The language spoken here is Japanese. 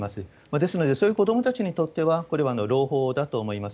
ですので、そういう子どもたちにとっては、これは朗報だと思います。